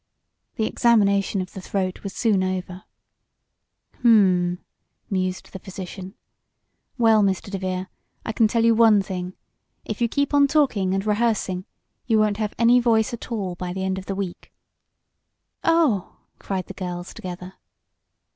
The examination of the throat was soon over. "Hum!" mused the physician. "Well, Mr. DeVere, I can tell you one thing. If you keep on talking and rehearsing, you won't have any voice at all by the end of the week." "Oh!" cried the girls, together.